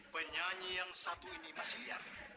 penyanyi yang satu ini masih lihat